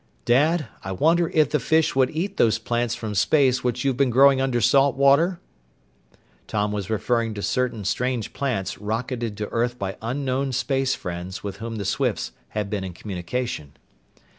"Dad, I wonder if the fish would eat those plants from space which you've been growing under salt water?" Tom was referring to certain strange plants rocketed to earth by unknown space friends with whom the Swifts had been in communication.